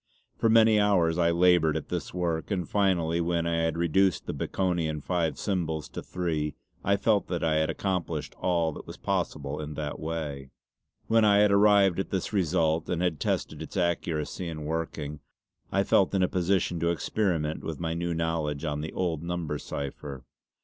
For many hours I laboured at this work, and finally when I had reduced the Baconian five symbols to three I felt that I had accomplished all that was possible in that way. See Appendix B. When I had arrived at this result, and had tested its accuracy in working, I felt in a position to experiment with my new knowledge on the old number cipher.